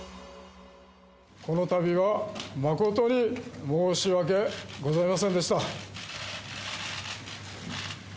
このたびは誠に申し訳ございませんでした。